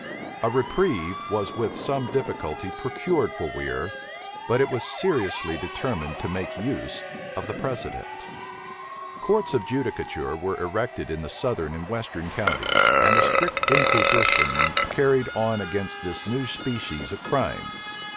A reprieve was with some difficulty procured for Weir; but it was seriously determined to make use of the precedent. Courts of judicature were erected in the southern and western counties, and a strict inquisition carried on against this new species of crime.